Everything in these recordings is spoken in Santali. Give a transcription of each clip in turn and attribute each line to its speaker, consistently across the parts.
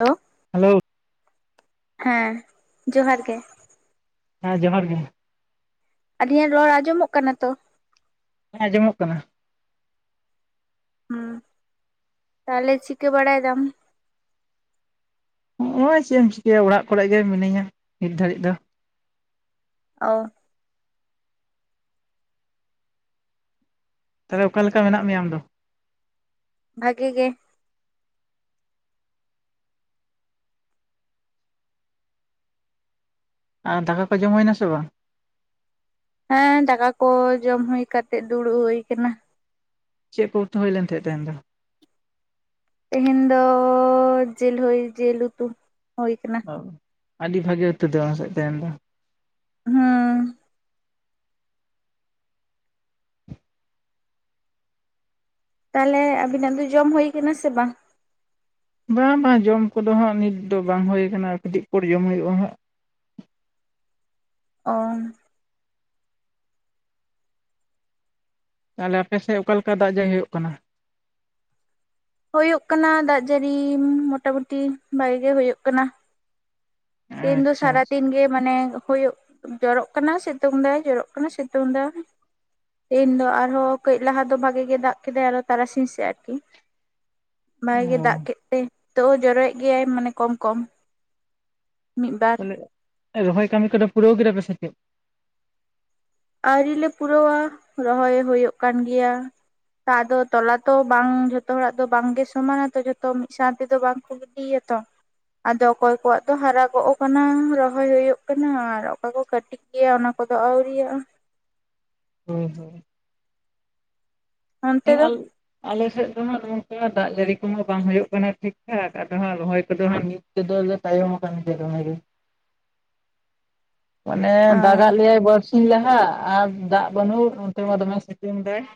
Speaker 1: ᱦᱮᱞᱳ
Speaker 2: ᱦᱮᱞᱳ
Speaker 1: ᱦᱮᱸ ᱡᱚᱦᱟᱨ ᱜᱮ
Speaker 2: ᱦᱮᱸ ᱡᱚᱦᱟᱨ ᱜᱮ
Speaker 1: ᱟᱹᱞᱤᱧᱟᱜ ᱨᱚᱲ ᱟᱸᱡᱚᱢᱚᱜ ᱠᱟᱱᱟ ᱛᱚ?
Speaker 2: ᱟᱸᱡᱚᱢᱚᱜ ᱠᱟᱱᱟ ᱾
Speaker 1: ᱦᱩᱸ ᱛᱟᱦᱚᱞᱮ ᱪᱤᱠᱟᱹ ᱵᱟᱲᱟᱭ ᱫᱟᱢ?
Speaker 2: ᱦᱚᱸᱜᱼᱚᱭ ᱪᱮᱫ ᱮᱢ ᱪᱤᱠᱟᱹᱭᱟ ᱚᱲᱟᱜ ᱠᱚᱨᱮ ᱜᱮ ᱢᱤᱱᱟᱹᱧᱟ ᱱᱤᱛ ᱫᱷᱟᱹᱨᱤᱡ ᱫᱚ
Speaker 1: ᱚᱸᱻ
Speaker 2: ᱛᱟᱦᱚᱞᱮ ᱚᱠᱟ ᱞᱮᱠᱟ ᱢᱮᱱᱟᱜ ᱢᱮᱭᱟ ᱟᱢ ᱫᱚ?
Speaker 1: ᱵᱷᱟᱜᱮ ᱜᱮ ᱾
Speaker 2: ᱟᱨ ᱫᱟᱠᱟ ᱠᱚ ᱡᱚᱢ ᱦᱩᱭᱱᱟ ᱥᱮ ᱵᱟᱝ?
Speaker 1: ᱦᱮᱸ ᱫᱟᱠᱟ ᱠᱚ ᱡᱚᱢ ᱦᱩᱭ ᱠᱟᱛᱮᱜ ᱫᱩᱲᱩᱵ ᱦᱩᱭ ᱟᱠᱟᱱᱟ ᱾
Speaker 2: ᱪᱮᱫ ᱠᱚ ᱩᱛᱩ ᱦᱩᱭ ᱞᱮᱱ ᱛᱟᱦᱮᱸᱱ ᱛᱟᱦᱮᱸᱧ ᱫᱚ?
Speaker 1: ᱛᱮᱦᱮᱧ ᱫᱚ ᱡᱮᱞ ᱦᱩᱭ ᱡᱮᱞ ᱩᱛᱩ ᱦᱩᱭ ᱠᱟᱱᱟ ᱾
Speaker 2: ᱟᱹᱰᱤ ᱵᱷᱟᱜᱤ ᱩᱛᱩ ᱫᱚ ᱚᱱᱟ ᱥᱮᱫ ᱛᱣᱦᱮᱱ ᱫᱚ ᱾
Speaker 1: ᱦᱩᱸ᱾ ᱛᱟᱦᱚᱞᱮ ᱟᱵᱤᱱᱟᱜ ᱫᱚ ᱡᱚᱢ ᱦᱩᱭ ᱟᱠᱟᱱᱟ ᱥᱮ ᱵᱟᱝ?
Speaker 2: ᱵᱟ ᱵᱟᱝ ᱡᱚᱢ ᱠᱚᱫᱚ ᱦᱟᱸᱜ ᱱᱤᱛ ᱫᱚ ᱵᱟᱝ ᱦᱳᱭ ᱠᱟᱱᱟ ᱟᱨ ᱠᱟᱹᱴᱤᱡ ᱯᱚᱨ ᱡᱚᱢ ᱦᱳᱭᱳᱜᱼᱟ ᱦᱟᱸᱜ ᱾
Speaker 1: ᱚ
Speaker 2: ᱛᱟᱦᱞᱮ ᱟᱯᱮ ᱥᱮᱜ ᱚᱠᱟ ᱞᱮᱠᱟ ᱫᱟᱜ ᱡᱮ ᱦᱳᱭᱳᱜ ᱠᱟᱱᱟ?
Speaker 1: ᱦᱳᱭᱳᱜ ᱠᱟᱱᱟ ᱫᱟᱜ ᱡᱟᱹᱨᱤ ᱢᱚᱴᱟᱢᱩᱴᱤ ᱵᱷᱟᱜᱮ ᱜᱮ ᱦᱳᱭᱳᱜ ᱠᱟᱱᱟ ᱾ ᱛᱤᱦᱤᱱ ᱫᱚ
Speaker 2: ᱟᱪᱪᱷᱟ ᱟᱪᱪᱷᱟ
Speaker 1: ᱥᱟᱨᱟ ᱫᱤᱱ ᱜᱮ ᱢᱟᱱᱮ ᱦᱳᱭᱳᱜ ᱡᱚᱨᱚᱜ ᱠᱟᱱᱟ ᱥᱮᱛᱳᱝ ᱫᱟᱭ ᱡᱚᱨᱚ ᱠᱟᱱᱟ ᱥᱮᱛᱳᱝ ᱫᱟ ᱾ ᱛᱮᱦᱮᱱ ᱫᱚ ᱟᱨᱦᱚᱸ ᱠᱟᱹᱡ ᱞᱟᱦᱟ ᱫᱚ ᱵᱷᱟᱜᱮ ᱜᱮ ᱫᱟᱜ ᱠᱮᱫᱟᱭ ᱟᱨᱚ ᱛᱟᱨᱟᱥᱤᱧ ᱥᱮᱜ ᱟᱨᱠᱤ ᱾
Speaker 2: ᱚ
Speaker 1: ᱵᱷᱟᱜᱮ ᱜᱮ ᱫᱟᱜ ᱠᱮᱫ ᱛᱮ ᱱᱤᱛᱳᱜ ᱦᱚᱸ ᱡᱚᱨᱚᱭᱮᱜ ᱜᱮᱭᱟᱭ ᱢᱟᱱᱮ ᱠᱚᱢ ᱠᱚᱢ ᱾
Speaker 2: ᱢᱟᱱᱮ ᱨᱚᱦᱚᱭ ᱠᱟᱹᱢᱤ ᱠᱚᱫᱚ ᱯᱩᱨᱟᱹᱣ ᱠᱮᱫᱟ ᱯᱮ ᱥᱮ ᱪᱮᱫ?
Speaker 1: ᱟᱹᱣᱨᱤ ᱞᱮ ᱯᱩᱨᱟᱹᱣᱟ ᱨᱚᱦᱚᱭ ᱦᱳᱭᱳᱜ ᱠᱟᱱ ᱜᱮᱭᱟ ᱾ ᱛᱚ ᱟᱫᱚ ᱛᱚᱞᱟ ᱛᱚ ᱵᱟᱝ ᱡᱷᱚᱛᱚ ᱦᱚᱲᱟᱜ ᱫᱚ ᱵᱟᱝᱜᱮ ᱥᱚᱢᱟᱱᱟ ᱛᱚ ᱡᱚᱛᱚ ᱢᱤᱫ ᱥᱟᱶᱛᱮ ᱛᱮ ᱫᱚ ᱵᱟᱝ ᱤᱭᱟᱹ ᱛᱚ ᱾ ᱟᱫᱚ ᱚᱠᱚᱭ ᱠᱚᱣᱟᱜ ᱫᱚ ᱦᱟᱨᱟ ᱜᱚᱜ ᱠᱟᱱᱟ, ᱨᱚᱦᱚᱭ ᱦᱳᱭᱳᱜ ᱠᱟᱱᱟ, ᱟᱨ ᱚᱠᱚᱭ ᱠᱚ ᱠᱟᱹᱴᱤ ᱜᱮᱭᱟ ᱚᱱᱟ ᱠᱚᱫᱚ ᱟᱹᱣᱨᱤᱭᱟᱜᱼᱟ᱾
Speaker 2: ᱦᱩᱸ ᱦᱩᱸ᱾
Speaker 1: ᱚᱱᱛᱮ
Speaker 2: ᱦᱮᱸ
Speaker 1: ᱫᱚ
Speaker 2: ᱟᱞ ᱟᱞᱮ ᱥᱮᱫ ᱫᱚ ᱦᱟᱸᱜ ᱱᱚᱝᱠᱟ ᱫᱟᱜ ᱡᱟᱹᱲᱤ ᱠᱚᱦᱚᱸ ᱵᱟᱝ ᱦᱳᱭᱳᱜ ᱠᱟᱱᱟ ᱴᱷᱤᱠᱴᱷᱟᱠ ᱟᱫᱚ ᱦᱟᱸᱜ ᱨᱚᱦᱚᱭ ᱠᱚᱫᱚ ᱦᱟᱸᱜ ᱛᱮᱫᱚ ᱞᱮ ᱛᱟᱭᱚᱢ ᱠᱟᱱ ᱜᱮᱭᱟ ᱫᱚᱢᱮ ᱜᱮ ᱾ ᱢᱟᱱᱮ
Speaker 1: ᱚ
Speaker 2: ᱫᱟᱜᱟᱜ ᱞᱮᱭᱟᱭ ᱵᱟᱨᱥᱤᱧ ᱞᱟᱦᱟ, ᱟᱨ ᱫᱟᱜ ᱵᱟᱹᱱᱩᱜ ᱚᱱᱛᱮ ᱢᱟ ᱫᱚᱢᱮ ᱥᱤᱛᱩᱝ ᱫᱟᱭ ᱾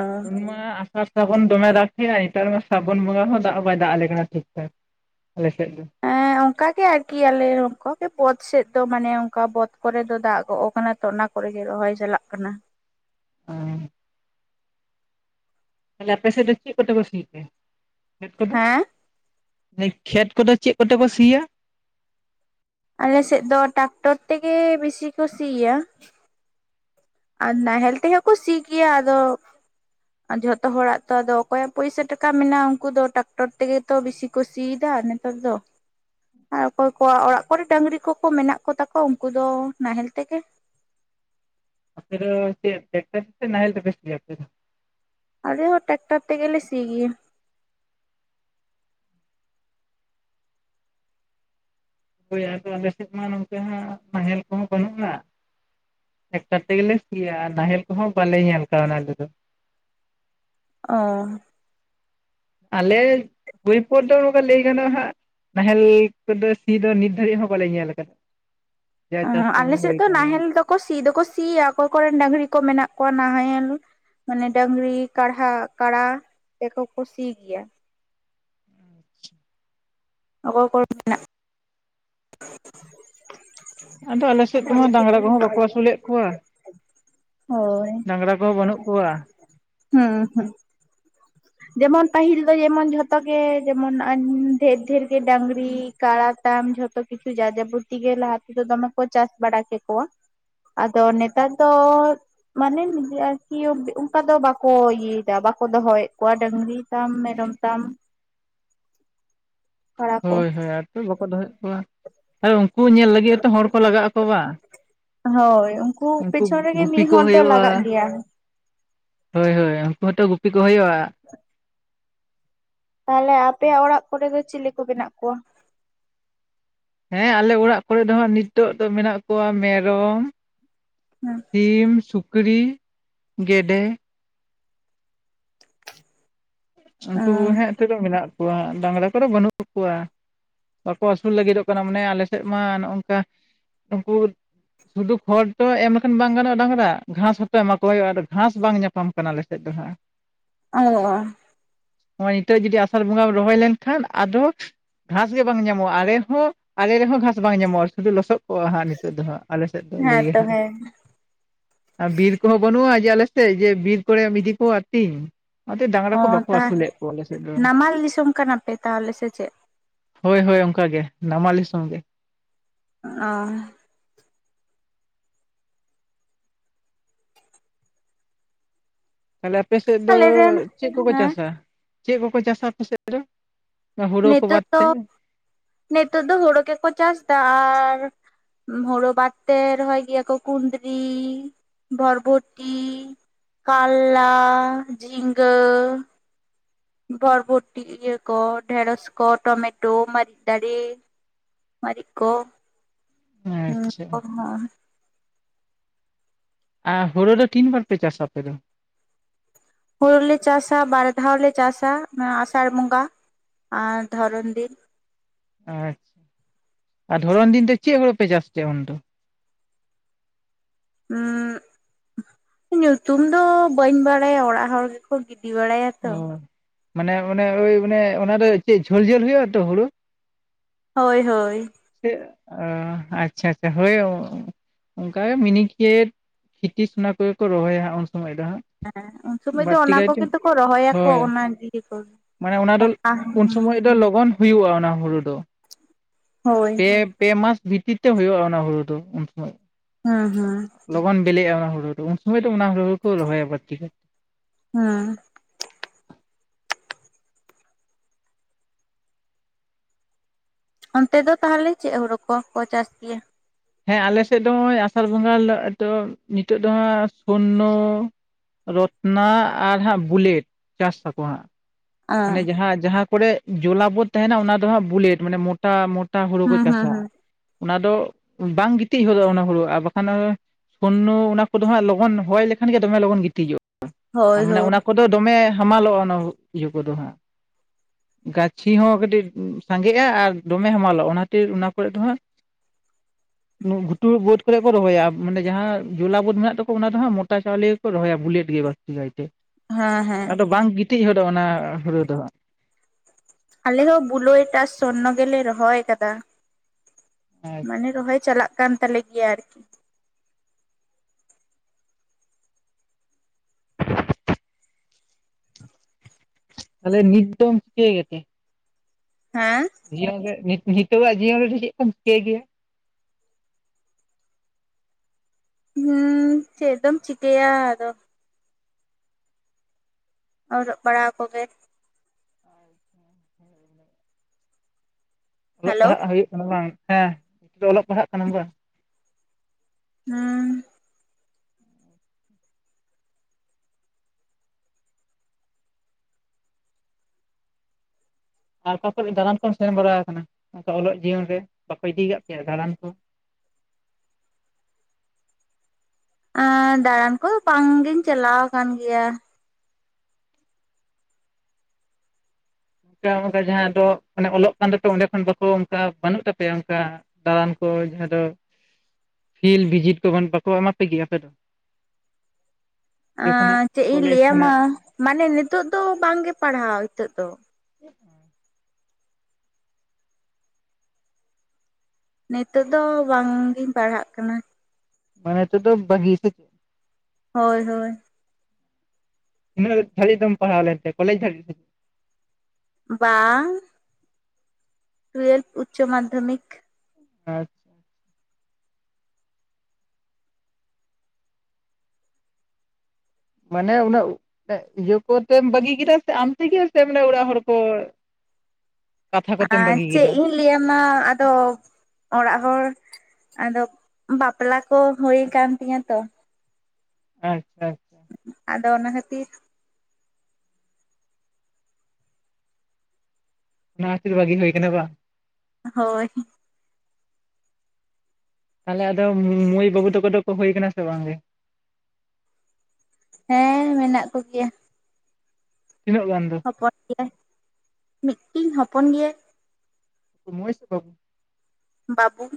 Speaker 1: ᱚ
Speaker 2: ᱩᱱᱢᱟ ᱟᱥᱟᱲ ᱥᱟᱵᱚᱱ ᱫᱚᱢᱮ ᱫᱟᱜ ᱛᱮᱦᱮᱸᱜᱟᱭ ᱱᱮᱛᱟᱨ ᱢᱟ ᱥᱟᱵᱚᱱ ᱵᱚᱸᱜᱟ ᱦᱚᱸ ᱫᱟᱜ ᱦᱚᱸ ᱵᱟᱭ ᱫᱟᱜ ᱟᱞᱮ ᱠᱟᱱᱟ ᱴᱷᱤᱠ ᱴᱷᱟᱠ ᱾ ᱟᱞᱮ ᱥᱮᱫ ᱫᱚ ᱾
Speaker 1: ᱦᱮᱸ ᱚᱱᱠᱟ ᱜᱮ ᱟᱨᱠᱤ ᱟᱞᱮ ᱱᱚᱝᱠᱟ ᱜᱮ ᱵᱚᱫ ᱥᱮᱫ ᱫᱚ ᱢᱟᱱᱮ ᱚᱝᱠᱟ ᱵᱚᱫ ᱠᱚᱨᱮ ᱫᱚ ᱫᱟᱜ ᱜᱚᱜ ᱠᱟᱱᱟ ᱾ ᱛᱚ ᱚᱱᱟ ᱠᱚᱨᱮ ᱜᱮ ᱨᱚᱦᱚᱭ ᱪᱟᱞᱟᱜ ᱠᱟᱱᱟ ᱾
Speaker 2: ᱦᱩᱸ᱾ ᱛᱟᱦᱞᱮ ᱟᱯᱮ ᱥᱮᱫ ᱫᱚ ᱪᱮᱫ ᱠᱚᱛᱮ ᱠᱚ ᱥᱤ ᱜᱮᱭᱟ ᱠᱷᱮᱛ ᱠᱚᱫᱚ?
Speaker 1: ᱦᱮᱸ
Speaker 2: ᱠᱷᱮᱛ ᱠᱚᱫᱚ ᱪᱮᱜ ᱠᱚᱛᱮ ᱠᱚ ᱥᱤᱭᱟ?
Speaker 1: ᱟᱞᱮᱥᱮᱫ ᱫᱚ ᱴᱟᱠᱴᱚᱨ ᱛᱮᱜᱮ ᱵᱤᱥᱤ ᱠᱚ ᱥᱤᱭᱟ ᱾ ᱟᱨ ᱱᱟᱦᱮᱞ ᱛᱮᱦᱚᱸ ᱠᱚ ᱥᱤ ᱜᱮᱭᱟ ᱟᱫᱚ ᱡᱷᱚᱛᱚ ᱦᱚᱲᱟᱜ ᱛᱚ ᱟᱫᱚ ᱚᱠᱚᱭᱟᱜ ᱯᱚᱭᱥᱟ ᱴᱟᱠᱟ ᱢᱮᱱᱟᱜᱼᱟ ᱩᱱᱠᱩ ᱫᱚ ᱴᱟᱠᱴᱚᱨ ᱛᱮᱜᱮ ᱛᱚ ᱵᱤᱥᱤ ᱠᱚ ᱥᱤᱭ ᱫᱟ ᱱᱮᱛᱟᱨ ᱫᱚ ᱾ ᱟᱨ ᱚᱠᱚᱭ ᱠᱚᱣᱟᱜ ᱚᱲᱟᱜ ᱠᱚᱨᱮ ᱰᱟᱹᱝᱜᱽᱨᱤ ᱠᱚᱠᱚ ᱢᱮᱱᱟᱜ ᱠᱚᱛᱟ ᱠᱚᱣᱟ ᱩᱱᱠᱩ ᱫᱚ ᱱᱟᱦᱮᱞ ᱛᱮᱜᱮ ᱾
Speaker 2: ᱟᱯᱮ ᱫᱚ ᱪᱮᱜ ᱴᱮᱠᱴᱚᱨ ᱛᱮ ᱥᱮ ᱱᱟᱦᱮᱞ ᱛᱮᱯᱮ ᱥᱤᱭᱟ ᱟᱯᱮ ᱫᱚ?
Speaker 1: ᱟᱞᱮ ᱦᱚᱸ ᱴᱟᱠᱴᱟᱨ ᱛᱮᱜᱮ ᱞᱮ ᱥᱤ ᱜᱮᱭᱟ ᱾
Speaker 2: ᱦᱳᱭ ᱟᱫᱚ ᱟᱞᱮ ᱥᱮᱫ ᱢᱟ ᱱᱚᱝᱡᱟ ᱦᱟᱸᱜ ᱱᱟᱦᱮᱞ ᱠᱚᱦᱚᱸ ᱵᱟᱹᱱᱩᱜᱼᱟ ᱾ ᱴᱟᱠᱴᱟᱨ ᱛᱮᱜᱮ ᱞᱮ ᱥᱤᱭᱟ ᱟᱨ ᱱᱟᱦᱮᱞ ᱠᱚᱦᱚᱸ ᱵᱟᱞᱮ ᱧᱮᱞ ᱠᱟᱣᱱᱟ ᱟᱞᱮ ᱫᱚ ᱾
Speaker 1: ᱚ
Speaker 2: ᱟᱞᱮ [unintelligible] ᱞᱟᱹᱭ ᱜᱟᱱᱚᱜ ᱦᱟᱸᱜ ᱱᱟᱦᱮᱞ ᱠᱚᱫᱚ ᱥᱤ ᱫᱚ ᱱᱤᱛ ᱫᱷᱟᱹᱨᱤᱡ ᱦᱚᱸ ᱵᱟᱞᱮ ᱧᱮᱞ ᱟᱠᱟᱫᱟ ᱾
Speaker 1: ᱚᱸ ᱟᱞᱮ ᱥᱮᱫ ᱫᱚ ᱱᱟᱦᱮᱞ ᱫᱚ ᱠᱚ ᱥᱤ ᱫᱚᱠᱚ ᱥᱤᱭᱟ ᱚᱠᱚᱭ ᱠᱚᱨᱮᱱ ᱰᱟᱝᱜᱽᱨᱤ ᱠᱚ ᱢᱮᱱᱟᱜ ᱠᱚᱣᱟ, ᱱᱟᱦᱮᱞ ᱢᱟᱱᱮ ᱵᱟᱹᱝᱜᱽᱨᱤ ᱠᱟᱲᱦᱟ ᱠᱟᱲᱟ ᱛᱮᱠᱚ ᱠᱚ ᱥᱤ ᱜᱮᱭᱟ ᱾ ᱚᱠᱚᱭ ᱠᱚᱨᱮᱱ ᱢᱮᱱᱟᱜ
Speaker 2: ᱟᱫᱚ ᱟᱞᱮ ᱥᱮᱫ ᱦᱟᱸᱜ ᱰᱟᱝᱜᱽᱨᱟ ᱠᱚᱦᱚᱸ ᱵᱟᱠᱚ ᱟᱹᱥᱩᱞᱮᱜ ᱠᱚᱣᱟ ᱾
Speaker 1: ᱦᱳᱭ ᱾
Speaker 2: ᱰᱟᱝᱜᱽᱨᱟ ᱠᱚᱦᱚᱸ ᱵᱟᱹᱱᱩᱜ ᱠᱚᱣᱟ ᱾
Speaker 1: ᱦᱩᱸ ᱦᱩᱸ ᱾ ᱡᱮᱢᱚᱱ ᱯᱟᱹᱦᱤᱞ ᱫᱚ ᱡᱮᱢᱚᱱ ᱡᱷᱚᱛᱚ ᱜᱮ ᱡᱮᱢᱚᱱ ᱫᱷᱮᱨ ᱫᱷᱮᱨ ᱰᱟᱝᱜᱽᱨᱤ ᱠᱟᱲᱟ ᱛᱟᱢ ᱡᱷᱚᱛᱚ ᱠᱤᱪᱷᱩ ᱡᱟ ᱡᱟᱵᱚᱛᱤ ᱜᱮ ᱞᱟᱦᱟ ᱛᱮᱫᱚ ᱫᱚᱢᱮ ᱠᱚ ᱪᱟᱥ ᱵᱟᱲᱟ ᱠᱮᱠᱚᱣᱟ ᱾ ᱟᱫᱚ ᱱᱮᱛᱟᱨ ᱫᱚ ᱢᱟᱱᱮ ᱱᱤᱡᱮ ᱟᱨᱠᱤ ᱚᱱᱠᱟ ᱫᱚ ᱵᱟᱠᱚ ᱤᱭᱟᱹᱭᱮᱫᱟ ᱵᱟᱠᱚ ᱫᱚᱦᱚᱸᱭᱮᱫ ᱠᱚᱣᱟ ᱰᱟᱹᱜᱽᱨᱤ ᱛᱟᱢ ᱢᱮᱨᱚᱢ ᱛᱟᱢ ᱾ ᱠᱟᱲᱟ ᱠᱚ
Speaker 2: ᱦᱳᱭ ᱦᱳᱭ ᱟᱨ ᱛᱚ ᱵᱟᱠᱚ ᱫᱚᱦᱚᱼᱭᱮᱫ ᱠᱚᱣᱟ ᱦᱮᱸ ᱵᱟᱝ ᱾ ᱟᱱᱠᱩ ᱧᱮᱞ ᱞᱟᱹᱜᱤᱫᱛᱚ ᱦᱚᱲ ᱠᱚ ᱞᱟᱜᱟᱜ ᱟᱠᱚ ᱵᱟᱝ?
Speaker 1: ᱦᱳᱭ ᱩᱱᱠᱩ ᱯᱮᱪᱷᱚᱱ ᱨᱮᱜᱮ
Speaker 2: ᱜᱩᱯᱤ
Speaker 1: ᱢᱤᱫ ᱦᱚᱲ
Speaker 2: ᱠᱚ
Speaker 1: ᱫᱚ ᱞᱟᱜᱟᱜ
Speaker 2: ᱦᱩᱭᱩᱜᱼᱟ
Speaker 1: ᱜᱮᱭᱟ ᱾
Speaker 2: ᱦᱳᱭ ᱦᱳᱭ ᱩᱱᱠᱩ ᱦᱚᱸᱛᱚ ᱜᱩᱯᱤ ᱠᱚ ᱦᱩᱭᱩᱜᱼᱟ ᱾
Speaker 1: ᱛᱟᱦᱚᱞᱮ ᱟᱯᱮᱭᱟᱜ ᱚᱲᱟᱜ ᱠᱚᱨᱮ ᱫᱚ ᱪᱤᱞᱤ ᱠᱚ ᱢᱮᱱᱟᱜ ᱠᱚᱣᱟ?
Speaker 2: ᱦᱮᱸ ᱟᱞᱮ ᱚᱲᱟᱜ ᱠᱚᱨᱮ ᱫᱚ ᱦᱟᱸᱜ ᱱᱤᱛᱚᱜ ᱫᱚ ᱢᱮᱱᱟᱜ ᱠᱚᱣᱟ ᱢᱮᱨᱚᱢ
Speaker 1: ᱦᱮᱸ ᱾
Speaker 2: ᱥᱤᱢ, ᱥᱩᱠᱨᱤ, ᱜᱮᱰᱮ ᱩᱱᱠᱩ ᱠᱚ ᱜᱮ ᱦᱟᱸᱜ ᱱᱤᱛᱟᱜ ᱫᱚ ᱢᱮᱱᱟᱜ ᱠᱚᱣᱟ ᱰᱟᱝᱜᱽᱨᱟ ᱠᱚᱫᱚ ᱵᱟᱹᱱᱩᱜ ᱠᱚᱣᱟ ᱾ ᱵᱟᱠᱚ ᱟᱹᱥᱩᱞ ᱞᱟᱹᱜᱤᱫᱚᱜ ᱠᱟᱱᱟ ᱢᱟᱱᱮ ᱟᱞᱮ ᱥᱮᱫ ᱢᱟ ᱱᱚᱜᱝᱠᱟ ᱱᱩᱠᱩ ᱥᱩᱫᱷᱩ ᱠᱷᱚᱲ ᱛᱚ ᱮᱢ ᱞᱮᱠᱷᱟᱱ ᱵᱟᱝ ᱜᱟᱱᱚᱜᱼᱟ ᱰᱟᱝᱜᱽᱨᱟ ᱜᱷᱟᱥ ᱦᱚᱸᱛᱚ ᱮᱢᱟ ᱠᱚ ᱦᱩᱭᱩᱜᱼᱟ ᱟᱫᱚ ᱜᱷᱟᱥ ᱵᱟᱝ ᱧᱟᱯᱟᱢ ᱠᱟᱱᱟ ᱟᱞᱮᱥᱮᱫ ᱫᱚ ᱦᱟᱸᱜ ᱾
Speaker 1: [inaudible]
Speaker 2: ᱱᱚᱜᱼᱚᱭ ᱱᱤᱛᱚᱜ ᱡᱩᱫᱤ ᱟᱥᱟᱲ ᱵᱚᱸᱜᱟᱢ ᱨᱚᱦᱚᱸᱭ ᱞᱮᱱ ᱠᱷᱟᱱ ᱟᱫᱚ ᱜᱷᱟᱥ ᱜᱮ ᱵᱟᱝ ᱧᱟᱢᱚᱜᱼᱟ ᱟᱞᱮ ᱦᱚᱸ ᱟᱞᱮ ᱨᱮᱦᱚᱸ ᱜᱷᱟᱥ ᱵᱟᱝ ᱧᱟᱢᱚᱜᱼᱟ ᱥᱩᱫᱷᱩ ᱞᱚᱥᱚᱫ ᱠᱚ ᱦᱟᱸᱜ ᱱᱤᱛᱳᱜ ᱫᱚ ᱦᱟᱸᱜ ᱟᱞᱮ ᱥᱮᱫ ᱫᱚ ᱞᱟᱹᱭ
Speaker 1: ᱦᱮᱸ ᱛᱚ
Speaker 2: ᱜᱟᱱᱚᱜ-ᱟ
Speaker 1: ᱦᱮᱸ
Speaker 2: ᱟᱨ ᱵᱤᱨ ᱠᱚᱦᱚᱸ ᱵᱟᱹᱱᱩᱜᱼᱟ ᱡᱮ ᱟᱞᱮᱥᱮᱫ ᱡᱮ ᱵᱤᱨ ᱠᱚᱨᱮᱢ ᱤᱫᱤ ᱠᱚᱣᱟ ᱟᱹᱛᱤᱧ ᱚᱱᱟᱛᱮ ᱚᱱᱟᱛᱮ ᱰᱟ
Speaker 1: ᱚ ᱛᱟ ᱱᱟᱢᱟᱞ ᱫᱤᱥᱚᱢ ᱠᱟᱱᱟ ᱯᱮ ᱛᱟᱦᱚᱞᱮ ᱥᱮ ᱪᱮᱫ?
Speaker 2: ᱦᱳᱭ ᱦᱳᱭ ᱚᱱᱠᱟ ᱜᱮ ᱱᱟᱢᱟᱞ ᱫᱤᱥᱚᱢ ᱜᱮ ᱾
Speaker 1: ᱚ ᱾
Speaker 2: ᱛᱟᱦᱚᱞᱮ ᱟᱯᱮ ᱥᱮᱫ ᱫᱚ
Speaker 1: ᱟᱞᱮ ᱨᱮᱱ
Speaker 2: ᱪᱮᱫ ᱠᱚᱠᱚ
Speaker 1: ᱦᱮᱸ
Speaker 2: ᱪᱟᱥᱟ ᱪᱮᱫ ᱠᱚᱠᱚ ᱪᱟᱥᱟ ᱟᱯᱮ ᱥᱮᱫ ᱫᱚ? ᱦᱩᱲᱩ ᱠᱚ
Speaker 1: ᱱᱤᱛᱳᱜ
Speaker 2: ᱵᱟᱫ
Speaker 1: ᱫᱚ
Speaker 2: ᱛᱮ?
Speaker 1: ᱱᱤᱛᱳᱜ ᱫᱚ ᱦᱩᱲᱩ ᱜᱮᱠᱚ ᱪᱟᱥ ᱫᱟ ᱟᱨ ᱦᱳᱲᱳ ᱵᱟᱫ ᱛᱮ ᱨᱚᱦᱚᱭ ᱜᱮᱭᱟᱠᱚ ᱠᱩᱸᱫᱽᱨᱤ ᱵᱚᱨᱵᱚᱴᱤ ᱠᱟᱞᱞᱟ ᱡᱷᱤᱸᱜᱟᱹ ᱵᱚᱨᱵᱚᱴᱤ ᱤᱭᱟᱹ ᱠᱚ ᱰᱷᱮᱸᱲᱚᱥ ᱠᱚ ᱴᱚᱢᱮᱴᱳ, ᱢᱟᱛᱤᱪ ᱫᱟᱲᱤ ᱢᱟᱨᱤᱺ ᱠᱚ
Speaker 2: ᱟᱪᱪᱷᱟ
Speaker 1: [inaudible]
Speaker 2: ᱟ ᱦᱳᱲᱳ ᱫᱚ ᱛᱤᱱ ᱵᱟᱨ ᱯᱮ ᱪᱟᱥᱟ ᱟᱯᱮ ᱫᱚ?
Speaker 1: ᱦᱩᱲᱩ ᱞᱮ ᱪᱟᱥᱟ ᱵᱟᱨ ᱫᱷᱟᱣᱞᱮ ᱪᱟᱥᱟ ᱚᱱᱟ ᱟᱥᱟᱲ ᱵᱚᱸᱜᱟ ᱟᱨ ᱫᱷᱚᱨᱚᱱ ᱫᱤᱱ ᱾
Speaker 2: ᱟᱪᱪᱷᱟ ᱟᱨ ᱫᱷᱚᱨᱚᱱ ᱫᱤᱱ ᱫᱚ ᱪᱮᱫ ᱦᱳᱲᱳ ᱯᱮ ᱪᱟᱥ ᱜᱮᱭᱟ ᱩᱱᱫᱚ?
Speaker 1: ᱩᱸᱜ ᱧᱩᱛᱩᱢ ᱫᱚ ᱵᱟᱹᱧ ᱵᱟᱲᱟᱭᱟ ᱚᱲᱟᱜ ᱦᱚᱲ ᱜᱮᱠᱚ ᱜᱤᱰᱤ ᱵᱟᱲᱟᱭᱟ᱾
Speaker 2: ᱚ
Speaker 1: ᱛᱚ
Speaker 2: ᱢᱟᱱᱮ ᱚᱱᱮ ᱳᱭ ᱚᱱᱮ ᱚᱱᱟ ᱫᱚ ᱪᱮᱫ ᱡᱷᱟᱹᱞ ᱡᱷᱟᱹᱞ ᱦᱩᱭᱩᱜ ᱟᱛᱚ ᱦᱩᱲᱩ?
Speaker 1: ᱦᱳᱭ ᱦᱳᱭ᱾
Speaker 2: ᱮᱸᱜ ᱚᱸᱻ ᱟᱪᱪᱷᱟ ᱟᱪᱪᱷᱟ ᱦᱳᱭ᱾ ᱚᱝᱠᱟᱜᱮ ᱢᱤᱱᱤᱠᱮᱴ ᱠᱷᱤᱛᱤᱥ ᱚᱱᱟ ᱠᱚᱜᱮ ᱠᱚ ᱨᱚᱦᱚᱭᱟ ᱦᱟᱸᱜ ᱩᱱ ᱥᱚᱢᱚᱭ ᱫᱚ ᱦᱟᱸᱜ᱾
Speaker 1: ᱦᱮᱸ ᱩᱱ ᱥᱚᱢᱚᱭ ᱫᱚ
Speaker 2: ᱵᱟᱹᱲᱛᱤ
Speaker 1: ᱚᱱᱟ
Speaker 2: ᱠᱟᱭᱛᱮ
Speaker 1: ᱠᱚᱜᱮ ᱛᱚᱠᱚ ᱨᱚᱦᱚᱭᱟ ᱠᱚ
Speaker 2: ᱦᱳᱭ
Speaker 1: ᱚᱱᱟ ᱡᱤᱭᱟᱹ ᱠᱚᱜᱮ
Speaker 2: ᱢᱟᱱᱮ ᱚᱱᱟ ᱫᱚ
Speaker 1: ᱟ
Speaker 2: ᱩᱱ ᱥᱚᱢᱚᱭ ᱫᱚ ᱞᱚᱜᱚᱱ ᱦᱩᱭᱩᱜᱼᱟ ᱚᱱᱟ ᱦᱩᱲᱩ ᱫᱚ
Speaker 1: ᱦᱳᱭ
Speaker 2: ᱯᱮ ᱯᱮ ᱢᱟᱥ ᱵᱷᱤᱛᱤᱨ ᱛᱮ ᱦᱩᱭᱩᱜᱼᱟ ᱚᱱᱟ ᱦᱩᱲᱩ ᱫᱚ ᱩᱱ ᱥᱩᱢᱚᱭ
Speaker 1: ᱦᱩᱸ ᱦᱩᱸ
Speaker 2: ᱞᱚᱜᱚᱱ ᱵᱮᱞᱮᱜᱼᱟ ᱚᱱᱟ ᱦᱩᱲᱩ ᱫᱚ ᱩᱱ ᱥᱚᱢᱚᱭ ᱫᱚ ᱚᱱᱟ ᱦᱩᱲᱩ ᱫᱩᱠᱚ ᱨᱚᱦᱚᱭᱟ ᱵᱟᱹᱲᱛᱤ ᱜᱮ
Speaker 1: ᱦᱩᱸ ᱚᱱᱛᱮ ᱫᱚ ᱛᱟᱦᱞᱮ ᱪᱮᱜ ᱦᱳᱨᱳ ᱠᱚ ᱠᱚ ᱪᱟᱥ ᱜᱤᱭᱟ?
Speaker 2: ᱦᱮᱸ ᱟᱞᱮᱥᱮᱜ ᱫᱚ ᱦᱚᱜᱼᱚᱭ ᱟᱥᱟᱲ ᱵᱚᱸᱜᱟ ᱞᱚᱜ ᱛᱚ ᱱᱤᱛᱚᱜ ᱫᱚ ᱦᱟᱸᱜ ᱥᱳᱱᱱᱳ ᱨᱚᱛᱱᱟ ᱟᱨ ᱦᱟᱸᱜ ᱵᱩᱞᱮᱴ ᱪᱟᱥ ᱟᱠᱚ ᱦᱟᱸᱜ᱾
Speaker 1: ᱚ
Speaker 2: ᱢᱟᱱᱮ ᱡᱟᱦᱟᱸ ᱡᱟᱦᱟᱸ ᱠᱚᱨᱮ ᱡᱚᱞᱟᱵᱳᱫ ᱛᱟᱦᱮᱱᱟ ᱚᱱᱟ ᱫᱚᱦᱟᱸᱜ ᱵᱩᱞᱮᱴ ᱢᱟᱱᱮ ᱢᱚᱴᱟ ᱢᱚ ᱴᱟ ᱦᱳᱲᱳ ᱠᱚ
Speaker 1: ᱦᱩᱸ ᱦᱩᱸ
Speaker 2: ᱪᱟᱥᱟ
Speaker 1: ᱦᱩᱸ
Speaker 2: ᱚᱱᱟ ᱫᱚ ᱵᱟᱝ ᱜᱤᱛᱤᱡ ᱦᱚᱫᱚᱜᱼᱟ ᱚᱱᱟ ᱦᱳᱲᱳ ᱟᱨ ᱵᱟᱠᱷᱟᱱ ᱫᱚ ᱯᱳᱱᱱᱳ ᱚᱱᱟ ᱠᱚᱫᱚ ᱦᱟᱸᱜ ᱞᱚᱜᱚᱱ ᱦᱚᱭ ᱞᱮᱠᱷᱟᱱ ᱜᱮ ᱫᱚᱢᱮ ᱞᱚᱜᱚᱱ ᱜᱤᱛᱤᱡᱚᱜ ᱟ
Speaker 1: ᱦᱳᱭ
Speaker 2: ᱢᱟᱱᱮ
Speaker 1: ᱦᱳᱭ
Speaker 2: ᱚᱱᱟ ᱠᱚᱫᱚ ᱫᱚᱢᱮ ᱦᱟᱢᱟᱞᱚᱜᱼᱟ ᱚᱱᱟ ᱤᱭᱟᱹ ᱠᱚᱫᱚ ᱦᱟᱸᱜ᱾ ᱜᱟᱪᱷᱤ ᱦᱚᱸ ᱠᱟᱹᱴᱤᱡ ᱥᱟᱸᱜᱮᱜᱼᱟ ᱟᱨ ᱰᱚᱢᱮ ᱦᱟᱢᱟᱞᱚᱜᱼᱟ ᱚᱱᱟᱛᱮ ᱚᱱᱟ ᱠᱚᱨᱮ ᱫᱚ ᱦᱟᱸᱜ
Speaker 1: [unintelligible]
Speaker 2: ᱱᱩ ᱜᱷᱩᱴᱩ ᱵᱟᱹᱫ ᱠᱚᱨᱮ ᱠᱚ ᱨᱚᱦᱚᱭᱟ ᱢᱟᱱᱮ ᱡᱟᱦᱟᱸ ᱡᱚᱞᱟ ᱵᱟᱹᱫ ᱢᱮᱱᱟᱜ ᱛᱟᱠᱚ ᱚᱱᱟ ᱫᱚ ᱦᱟᱸᱜ ᱢᱚᱴᱟ ᱪᱟᱣᱞᱮ ᱠᱳ ᱨᱚᱦᱚᱭᱟ ᱵᱩᱞᱮᱴ ᱜᱮ ᱵᱟᱹᱲᱛᱤ ᱠᱟᱭᱛᱮ
Speaker 1: ᱦᱮᱸ ᱦᱮᱸ
Speaker 2: ᱟᱫᱚ ᱵᱟᱝ ᱜᱤᱛᱤᱡ ᱦᱚᱫᱚᱜᱼᱟ ᱚᱱᱟ ᱦᱩᱲᱩ ᱫᱚ ᱦᱟᱸᱜ᱾
Speaker 1: ᱟᱞᱮ ᱦᱚᱸ ᱵᱩᱞᱳᱭ ᱴᱟᱥᱥᱚ ᱥᱚᱨᱱᱚ ᱜᱮᱞᱮ ᱨᱚᱦᱚᱭ ᱟᱠᱟᱫᱟ᱾
Speaker 2: ᱟᱪᱪᱷᱟ,
Speaker 1: ᱢᱟᱱᱮ ᱨᱚᱦᱚᱭ ᱪᱟᱞᱟᱜ ᱠᱟᱱ ᱛᱟᱞᱮ ᱜᱮᱭᱟ ᱟᱨᱠᱤ᱾
Speaker 2: ᱛᱟᱦᱞᱮ ᱱᱤᱫ ᱫᱚᱢ ᱪᱤᱠᱟᱹᱭ ᱜᱮ ᱛᱮ?
Speaker 1: ᱦᱮᱸᱜ
Speaker 2: ᱡᱤᱭᱚᱱ ᱨᱮ ᱱᱤᱛ ᱦᱤᱛᱚᱜᱟᱜ ᱡᱤᱭᱚᱱ ᱨᱮᱫᱚ ᱪᱮᱜ ᱠᱚᱢ ᱪᱤᱠᱟᱹᱭ ᱜᱮᱭᱟ?
Speaker 1: ᱦᱩᱸᱻ ᱪᱮᱜ ᱫᱚᱢ ᱪᱤᱠᱟᱹᱭᱟ ᱟᱫᱚ ᱚᱨᱚᱜ ᱯᱟᱲᱦᱟᱣ ᱠᱚ ᱜᱮ
Speaker 2: [inaudible] ᱚᱞᱚᱜ
Speaker 1: ᱦᱮᱞᱳ
Speaker 2: ᱯᱟᱲᱦᱟᱜ ᱦᱩᱭᱩᱜ ᱠᱟᱱᱟ ᱵᱟᱝ ᱦᱮᱸ ᱫᱚ ᱚᱞᱚᱜ ᱯᱟᱲᱦᱟᱜ ᱠᱟᱱᱟᱢ ᱵᱟ?
Speaker 1: ᱦᱩᱸ
Speaker 2: ᱟᱨ ᱚᱠᱟ ᱠᱚᱨᱮ ᱫᱟᱬᱟᱱ ᱠᱚᱢ ᱥᱮᱱ ᱵᱟᱲᱟ ᱟᱠᱟᱱᱟ? ᱚᱱᱠᱟ ᱚᱞᱚᱜ ᱡᱤᱭᱚᱱ ᱨᱮ ᱵᱟᱠᱚ ᱤᱫᱤᱭ ᱠᱟᱜ ᱯᱮᱭᱟ ᱫᱟᱬᱟᱱ ᱠᱚ?
Speaker 1: ᱟᱸ ᱫᱟᱬᱟᱱ ᱠᱚ ᱵᱟᱝᱜᱤᱧ ᱪᱟᱞᱟᱣ ᱟᱠᱟᱱ ᱜᱮᱭᱟ᱾
Speaker 2: ᱱᱮ ᱚᱱᱠᱟ ᱡᱟᱦᱟᱸ ᱫᱚ ᱚᱱᱮ ᱚᱞᱚᱜ ᱠᱟᱱ ᱫᱚᱯᱮ ᱚᱸᱰᱮ ᱠᱷᱚᱱ ᱵᱟᱠᱚ ᱚᱱᱠᱟ ᱵᱟᱱᱩᱜ ᱛᱟᱯᱮᱭᱟ ᱚᱱᱠᱟ ᱫᱟᱬᱟᱱ ᱠᱚ ᱡᱟᱦᱟᱸ ᱫᱚ ᱯᱷᱤᱞᱰ ᱵᱷᱤᱡᱤᱴ ᱠᱚ ᱵᱟᱱ ᱵᱟᱠᱚ ᱮᱢᱟ ᱯᱮᱜᱮᱭᱟ ᱟᱯᱮ ᱫᱚ?
Speaker 1: ᱟᱸ
Speaker 2: ᱡᱚᱠᱷᱚᱱᱟᱜ
Speaker 1: ᱪᱮᱜ ᱤᱧ
Speaker 2: ᱠᱚᱞᱮᱡᱽ
Speaker 1: ᱞᱟᱹᱭ ᱟᱢᱟ
Speaker 2: ᱠᱷᱚᱱᱟᱜ
Speaker 1: ᱢᱟᱱᱮ ᱱᱤᱛᱚᱜ ᱫᱚ ᱵᱟᱝᱜᱮ ᱯᱟᱲᱦᱟᱣ ᱦᱤᱛᱚᱜ ᱫᱚ᱾
Speaker 2: [inaudible]
Speaker 1: ᱱᱤᱛᱚᱜ ᱫᱚ ᱵᱟᱝ ᱜᱤᱧ ᱯᱟᱲᱦᱟᱜ ᱠᱟᱱᱟ᱾
Speaker 2: ᱢᱟᱱᱮ ᱱᱤᱛᱚᱜ ᱫᱚ ᱵᱟᱹᱜᱤ ᱥᱮ
Speaker 1: ᱦᱳᱭ ᱦᱳᱭ᱾
Speaker 2: ᱛᱤᱱᱟᱹᱜ ᱫᱷᱟᱨᱤᱡ ᱫᱚᱢ ᱯᱟᱲᱟᱣ ᱞᱮᱱ ᱛᱮ ᱠᱚᱮᱡᱽ ᱫᱷᱟᱨᱤᱡ?
Speaker 1: ᱵᱟᱝ᱾ ᱴᱩᱭᱮᱞᱵᱷ ᱩᱪᱪᱚ ᱢᱟᱫᱽᱫᱷᱚᱢᱤᱠ᱾
Speaker 2: ᱦᱮᱸ᱾ ᱢᱟᱱᱮ ᱩᱱᱟᱹᱜ ᱤᱭᱟᱹ ᱠᱚ ᱛᱮᱢ ᱵᱟᱹᱜᱤ ᱠᱮᱫᱟ ᱥᱮ ᱟᱢ ᱛᱮᱜᱮ ᱥᱮ ᱢᱟᱱᱮ ᱚᱲᱟᱜ ᱦᱚᱲ ᱠᱚ ᱠᱟᱛᱷᱟ ᱠᱚᱛᱮᱢ
Speaker 1: ᱟᱨ
Speaker 2: ᱵᱟᱹᱜᱤ
Speaker 1: ᱪᱮᱫ
Speaker 2: ᱠᱮᱫᱟ
Speaker 1: ᱤᱧ ᱞᱟᱹᱭᱟᱢᱟ ᱟᱫᱚ ᱚᱲᱟᱜ ᱦᱚᱲ ᱟᱫᱚ ᱵᱟᱯᱞᱟ ᱠᱚ ᱦᱳᱭ ᱠᱟᱱ ᱛᱤᱧᱟᱹ ᱛᱚ᱾
Speaker 2: ᱟᱪᱪᱷᱟ᱾ ᱟᱪᱪᱷᱟ
Speaker 1: ᱟᱫᱚ ᱚᱱᱟ ᱠᱷᱟᱹᱛᱤᱨ᱾
Speaker 2: ᱚᱱᱟ ᱠᱷᱟᱹᱛᱤᱨ ᱵᱟᱹᱜᱤ ᱦᱩᱭ ᱠᱟᱱᱟ ᱵᱟᱝ᱾
Speaker 1: ᱦᱳᱭ᱾
Speaker 2: ᱛᱟᱦᱚᱸᱞᱮ ᱟᱫᱚ ᱢᱳᱭ ᱵᱟᱹᱵᱩ ᱛᱟᱠᱚ ᱫᱚᱠᱚ ᱦᱩᱭ ᱠᱟᱱᱟ ᱥᱮ ᱵᱟᱝ?
Speaker 1: ᱦᱮᱸ ᱢᱮᱱᱟᱜ ᱠᱚ ᱜᱮᱭᱟ᱾
Speaker 2: ᱛᱤᱱᱟᱹᱜ ᱜᱟᱱ ᱫᱚ᱾
Speaker 1: ᱦᱚᱯᱚᱱ ᱜᱮᱭᱟᱭ, ᱢᱤᱫᱴᱤᱝ ᱦᱚᱯᱚᱱ ᱜᱮᱭᱟᱭ᱾
Speaker 2: ᱢᱳᱭ ᱥᱮ ᱵᱟᱹᱵᱩ?
Speaker 1: ᱵᱟᱵᱩ᱾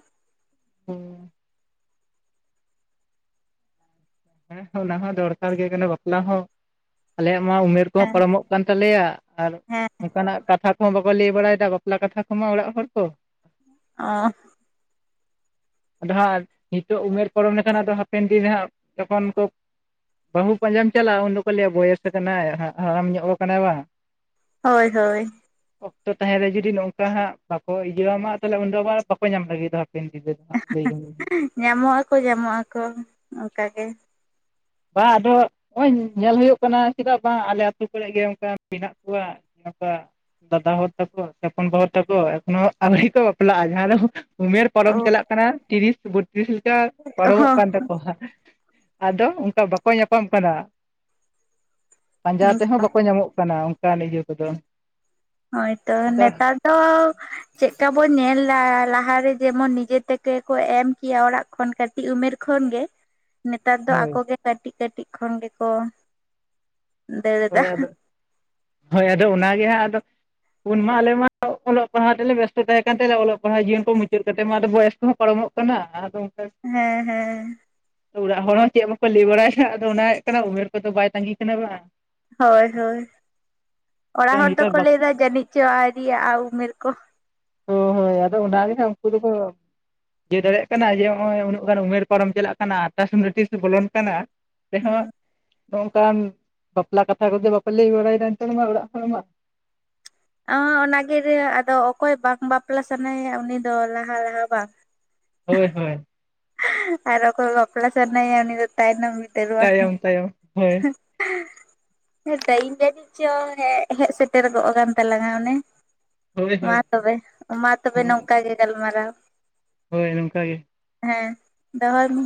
Speaker 2: ᱦᱩᱸ᱾ ᱦᱮᱸ ᱚᱱᱟ ᱦᱚᱸ ᱫᱚᱨᱠᱟᱨ ᱜᱮ ᱠᱟᱱᱟ ᱵᱟᱯᱞᱟ ᱦᱚᱸ᱾ ᱟᱞᱮᱭᱟᱜ ᱢᱟ ᱩᱢᱮᱨ ᱠᱚᱦᱚᱸ
Speaker 1: ᱦᱮᱸ
Speaker 2: ᱯᱟᱨᱚᱢᱚᱜ ᱠᱟᱱ ᱛᱟᱞᱮᱭᱟ᱾ ᱟᱨ
Speaker 1: ᱦᱮᱸ
Speaker 2: ᱚᱱᱠᱟᱱᱟᱜ ᱠᱟᱛᱷᱟ ᱠᱚᱦᱚᱸ ᱵᱟᱠᱚ ᱞᱟᱹᱭ ᱵᱟᱲᱟᱭᱮᱫᱟ ᱵᱟᱯᱞᱟ ᱠᱟᱛᱷᱟ ᱠᱚᱢᱟ ᱦᱚᱲ ᱠᱚ᱾
Speaker 1: ᱚᱸ᱾
Speaker 2: ᱟᱫᱚ ᱦᱟᱸᱜ ᱱᱤᱛᱚᱜ ᱩᱢᱮᱨ ᱯᱟᱨᱚᱢ ᱞᱮᱠᱷᱟᱱ ᱟᱫᱚ ᱦᱟᱯᱮᱱ ᱫᱤᱱ ᱦᱟᱸᱜ᱾ ᱡᱚᱠᱷᱚᱱ ᱠᱚ᱾ ᱵᱟᱹᱦᱩ ᱯᱟᱸᱡᱟᱢ ᱪᱟᱞᱟᱜ-ᱟ᱾ ᱩᱱ ᱫᱚᱠᱚ ᱞᱟᱹᱭᱟ ᱵᱚᱭᱮᱥ ᱠᱟᱱᱟᱭ ᱦᱟᱲᱟᱢ ᱧᱚᱜ ᱠᱟᱱᱟᱭ ᱵᱟᱝ᱾
Speaker 1: ᱦᱳᱭ ᱦᱳᱭ᱾
Speaker 2: ᱚᱠᱛᱚ ᱛᱟᱦᱮᱸ ᱨᱮ ᱡᱩᱫᱤ ᱱᱚᱝᱠᱟ ᱦᱟᱸᱜ ᱵᱟᱠᱚ ᱤᱭᱟᱹᱭᱟ ᱢᱟ ᱛᱟᱦᱚᱸᱞᱮ ᱩᱱᱫᱚ ᱵᱟ ᱵᱟᱠᱚ ᱧᱟᱢ ᱞᱟᱹᱜᱤᱫ-ᱟ ᱦᱟᱯᱮᱱ ᱫᱤᱱ ᱫᱚ᱾ ᱞᱟᱹᱭ ᱜᱟᱱᱚᱜ
Speaker 1: ᱧᱟᱢᱚᱜ ᱟᱠᱚ ᱧᱟᱢᱚᱜ ᱟᱠᱚ ᱚᱱᱠᱟ ᱜᱮ ᱾
Speaker 2: ᱵᱟᱝ ᱟᱫᱚ ᱱᱚᱜ-ᱚᱭ ᱧᱮᱞ ᱦᱩᱭᱩᱜ ᱠᱟᱱᱟ ᱪᱮᱫᱟᱜ ᱵᱟᱝ ᱟᱞᱮ ᱟᱹᱛᱩ ᱠᱚᱨᱮ ᱜᱮ ᱚᱱᱠᱟ ᱢᱮᱱᱟᱜ ᱠᱚᱣᱟ᱾ [unintelligible] ᱫᱟᱫᱟ ᱦᱚ ᱛᱟᱠᱚ ᱦᱚᱯᱚᱱ ᱵᱟᱹᱦᱩ ᱛᱟᱠᱚ, ᱮᱠᱷᱚᱱᱚ ᱟᱹᱣᱨᱤ ᱠᱚ ᱵᱟᱯᱞᱟᱜ-ᱟ ᱡᱟᱦᱟᱸ ᱫᱚ᱾ ᱩᱢᱮᱨ ᱯᱟᱨᱚᱢ
Speaker 1: ᱦᱚᱸ
Speaker 2: ᱪᱟᱞᱟᱜ ᱠᱟᱱᱟ ᱛᱤᱨᱤᱥ, ᱵᱚᱛᱨᱤᱥ ᱞᱮᱠᱟ ᱯᱟᱨᱚᱢᱚᱜ ᱠᱟᱱ ᱛᱟᱠᱚᱣᱟ᱾ ᱟᱫᱚ ᱚᱱᱠᱟ ᱵᱟᱠᱚ ᱧᱟᱯᱟᱢ ᱠᱟᱱᱟ᱾ ᱯᱟᱸᱡᱟ ᱛᱮᱦᱚᱸ ᱵᱟᱠᱚ ᱧᱟᱢᱚᱜ ᱠᱟᱱᱟ ᱚᱱᱠᱟᱱ ᱤᱭᱟᱹ ᱠᱚᱫᱚ᱾
Speaker 1: ᱦᱳᱭ ᱛᱚ
Speaker 2: ᱟᱫᱚ
Speaker 1: ᱱᱮᱛᱟᱨ ᱫᱚ᱾ ᱪᱮᱫᱠᱟ ᱵᱚᱱ ᱧᱮᱞ ᱫᱟ ᱞᱟᱦᱟᱨᱮ ᱡᱮᱢᱚᱱ ᱱᱤᱡᱮ ᱛᱮᱠᱮ ᱠᱚ ᱮᱢ ᱠᱮᱭᱟ ᱚᱲᱟᱜ ᱠᱷᱚᱱ ᱠᱟᱹᱴ ᱠᱟᱹᱴᱤᱡ ᱩᱢᱮᱨ ᱠᱷᱚᱱ ᱜᱮ, ᱱᱮᱛᱟᱨ ᱫᱚ
Speaker 2: ᱦᱳᱭ
Speaker 1: ᱟᱠᱚ ᱜᱮ ᱠᱟᱹᱴᱤᱡ ᱠᱟᱹᱴᱤᱡ ᱠᱷᱚᱱ ᱜᱮᱠᱚ᱾ ᱫᱟᱹᱲ
Speaker 2: ᱦᱳᱭ
Speaker 1: ᱮᱫᱟ
Speaker 2: ᱟᱫᱚ, ᱦᱳᱭ ᱟᱫᱚ ᱚᱱᱟᱜᱮ ᱦᱟᱸᱜ ᱟᱫᱚ, ᱩᱱ ᱢᱟ ᱟᱞᱮ ᱢᱟ᱾ ᱚᱞᱚᱜ ᱯᱟᱲᱦᱟᱜ ᱛᱮᱞᱮ ᱵᱮᱥᱛᱚ ᱛᱟᱦᱮᱸ ᱠᱟᱱ ᱛᱟᱞᱮᱭᱟ ᱚᱞᱚᱜ ᱯᱟᱲᱦᱟᱣ ᱡᱤᱭᱚᱱ ᱠᱚ ᱢᱩᱪᱟᱹᱫ ᱠᱟᱛᱮᱫ ᱢᱟ ᱟᱫᱚ ᱵᱚᱭᱮᱥ ᱠᱚᱦᱚᱸ ᱯᱟᱨᱚᱢᱚᱜ ᱠᱟᱱᱟ ᱟᱫᱚ ᱚᱱᱠᱟ ᱛᱮ᱾
Speaker 1: ᱦᱮᱸ ᱦᱮᱸ᱾
Speaker 2: ᱚᱲᱟᱜ ᱦᱚᱲ ᱦᱚᱸ ᱪᱮᱫ ᱵᱟᱠᱚ ᱞᱟᱹᱭ ᱵᱟᱲᱟᱭᱟ ᱦᱟᱸᱜ ᱟᱫᱚ ᱚᱱᱟ ᱦᱩᱭᱩᱜ ᱠᱟᱱᱟ ᱩᱢᱮᱨ ᱠᱚᱫᱚ ᱵᱟᱭ ᱛᱟᱺᱜᱤ ᱠᱟᱱᱟ ᱵᱟᱝ᱾
Speaker 1: ᱦᱳᱭ ᱦᱳᱭ, ᱚᱲᱟᱜ ᱦᱚᱲ
Speaker 2: ᱱᱮᱛᱟᱨ
Speaker 1: ᱫᱚᱠᱚ
Speaker 2: ᱵᱟᱠᱚ
Speaker 1: ᱞᱟᱹᱭ ᱫᱟ ᱡᱟᱹᱱᱤᱡ ᱪᱚ ᱟᱹᱣᱨᱤ ᱭᱟᱜ-ᱟ ᱩᱢᱮᱨ ᱠᱚ᱾
Speaker 2: ᱚ ᱦᱳᱭ, ᱟᱫᱚ ᱚᱱᱟ ᱜᱮ ᱦᱟᱸᱜ ᱩᱱᱠᱚ ᱫᱚ ᱠᱚ ᱾ ᱤᱭᱟᱹ ᱫᱟᱲᱮᱭᱟᱜ ᱠᱟᱱᱟ ᱡᱮ ᱱᱚᱜ-ᱚᱭ ᱩᱱᱟᱹᱜ ᱜᱟᱱ ᱩᱢᱮᱨ ᱯᱟᱨᱚᱢ ᱪᱟᱞᱟᱜ ᱠᱟᱱᱟ ᱟᱨᱫᱟᱥ ᱱᱩᱴᱤᱥ ᱵᱚᱞᱚᱱ ᱠᱟᱱᱟ᱾ ᱛᱮ
Speaker 1: ᱦᱩᱸ
Speaker 2: ᱦᱚᱸ, ᱱᱚᱝᱠᱟᱱ ᱵᱟᱯᱞᱟ ᱠᱟᱛᱷᱟ ᱠᱚᱫᱚ ᱵᱟᱯᱮ ᱞᱟᱹᱭ ᱵᱟᱲᱟᱭᱫᱟ ᱮᱱᱛᱮ ᱢᱟ ᱚᱲᱟᱜ ᱠᱚᱨᱮ ᱢᱟ᱾
Speaker 1: ᱚᱸ ᱚᱱᱟᱜᱮ ᱟᱫᱚ ᱚᱠᱚᱭ ᱵᱟᱝ ᱵᱟᱯᱞᱟ ᱥᱟᱱᱟᱭᱮᱭᱟ ᱩᱱᱤ ᱫᱚ ᱞᱟᱦᱟᱸ ᱞᱟᱦᱟᱸ ᱵᱟᱝ᱾
Speaker 2: ᱦᱳᱭ ᱦᱳᱭ᱾
Speaker 1: ᱟᱨ ᱚᱠᱚᱭ ᱵᱟᱯᱞᱟ ᱥᱟᱱᱟᱭᱮᱭᱟ ᱩᱱᱤ ᱫᱚ ᱛᱟᱭᱱᱚᱢ
Speaker 2: ᱛᱟᱭᱚᱢ ᱛᱟᱭᱚᱢ ᱦᱳᱭ
Speaker 1: [unintelligible] ᱦᱮᱸ ᱴᱟᱭᱤᱢ ᱡᱟᱹᱱᱤᱡ ᱪᱚᱝ ᱦᱮᱡ, ᱦᱮᱡ ᱥᱮᱴᱮᱨ ᱜᱚᱜ ᱠᱟᱱ ᱛᱟᱞᱟᱝᱟ ᱚᱱᱮ᱾
Speaker 2: ᱦᱳᱭ
Speaker 1: ᱢᱟ
Speaker 2: ᱦᱳᱭ
Speaker 1: ᱛᱚᱵᱮ, ᱢᱟ ᱛᱚᱵᱮ ᱱᱚᱝᱠᱟ ᱜᱮ ᱜᱟᱞᱢᱟᱨᱟᱣ᱾
Speaker 2: ᱦᱳᱭ ᱱᱚᱝᱠᱟ ᱜᱮ᱾
Speaker 1: ᱦᱮᱸ ᱫᱚᱦᱚᱭ ᱢᱮ᱾